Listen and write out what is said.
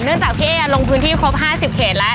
เนื่องจากพี่เอลงพื้นที่ครบ๕๐เขตและ